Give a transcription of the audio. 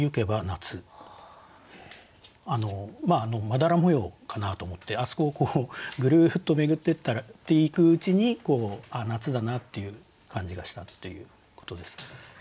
まだら模様かなと思ってあそこをぐるっと巡っていくうちにああ夏だなっていう感じがしたっていうことです。